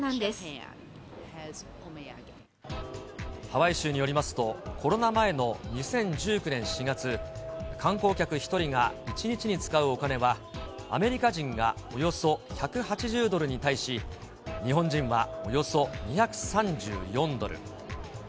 ハワイ州によりますと、コロナ前の２０１９年４月、観光客１人が１日に使うお金は、アメリカ人がおよそ１８０ドルに対し、日本人はおよそ２３４ドル。